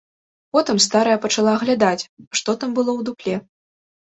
Потым старая пачала аглядаць, што там было ў дупле.